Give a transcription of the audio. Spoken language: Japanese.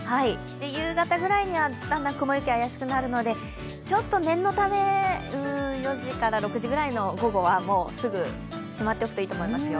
夕方ぐらいには、だんだん雲行きが怪しくなるのでちょっと念のため、４時から６時ぐらい、午後はすぐしまっておくといいと思いますよ。